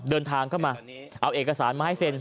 เดินทางเข้ามาเอาเอกสารมาให้เซ็น